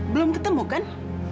belum ketemu kan